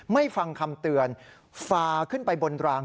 ไม่ฟังคำเตือนฝ่าขึ้นไปบนราง